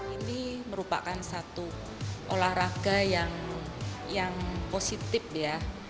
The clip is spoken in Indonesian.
ini merupakan satu olahraga yang positif ya